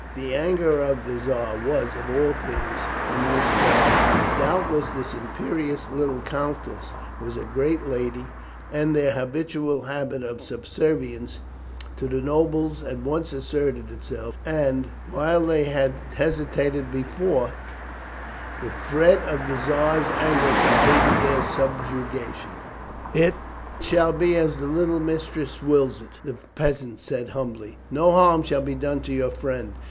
The anger of the Czar was, of all things, the most terrible. Doubtless this imperious, little countess was a great lady, and their habitual habit of subservience to the nobles at once asserted itself, and, while they had hesitated before, the threat of the Czar's anger completed their subjugation. [Illustration: "I AM THE COUNTESS STEPHANIE WORONSKI. I AM GLAD TO SEE YOU."] "It shall be as the little mistress wills it," the peasant said humbly. "No harm shall be done to your friend.